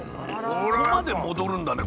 ここまで戻るんだね